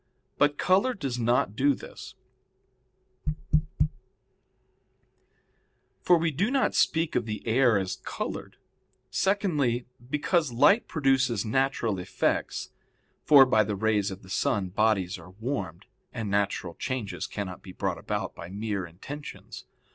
But color does not do this, for we do not speak of the air as colored. Secondly, because light produces natural effects, for by the rays of the sun bodies are warmed, and natural changes cannot be brought about by mere intentions.